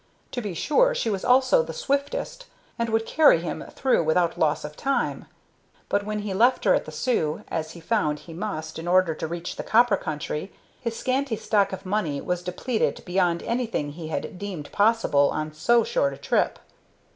To be sure, she was also the swiftest, and would carry him through without loss of time; but when he left her at the Sault, as he found he must in order to reach the copper country, his scanty stock of money was depleted beyond anything he had deemed possible on so short a trip.